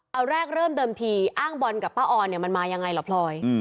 เอาแรกเริ่มเดิมทีอ้างบอลกับป้าออนเนี่ยมันมายังไงล่ะพลอย